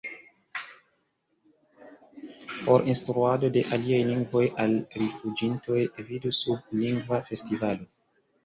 Por instruado de aliaj lingvoj al rifuĝintoj: vidu sub Lingva Festivalo.